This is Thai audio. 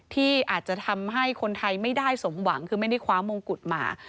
ที่อาจจะทำให้คนไทยไม่ได้สมหวังคือไม่ได้คว้ามงกุฎมา